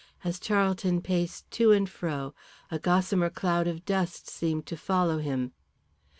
As Charlton paced to and fro a gossamer cloud of dust seemed to follow him.